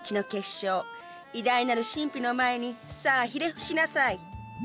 偉大なる神秘の前にさあひれ伏しなさい。